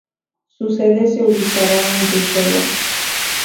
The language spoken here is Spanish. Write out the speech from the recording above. Su sede se ubicará en Bruselas.